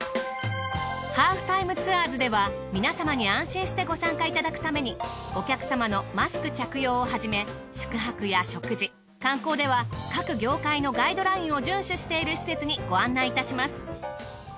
『ハーフタイムツアーズ』では皆様に安心してご参加いただくためにお客様のマスク着用をはじめ宿泊や食事観光では各業界のガイドラインを順守している施設にご案内いたします。